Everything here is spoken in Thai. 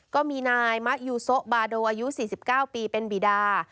ก็มีนายมะยูโซบาโดอายุ๔๙ปีเป็นบีดา